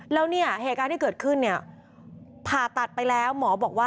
แล้วเนี่ยเหตุการณ์ที่เกิดขึ้นเนี่ยผ่าตัดไปแล้วหมอบอกว่า